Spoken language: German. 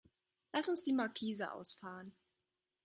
Lass uns die Markise ausfahren.